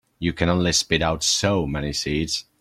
You can only spit out so many seeds.